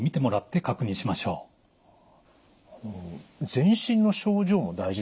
全身の症状も大事なんですか？